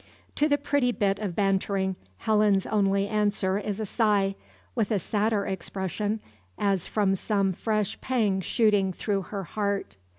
To the pretty bit of bantering Helen's only answer is a sigh, with a sadder expression, as from some fresh pang shooting through her heart.